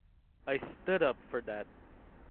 I stood up for that.